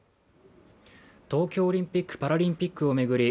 東京オリンピック・パラリンピックを巡り